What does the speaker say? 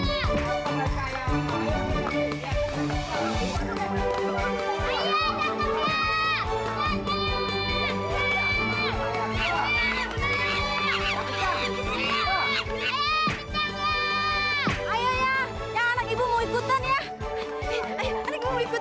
anak ibu mau ikutan gak main bola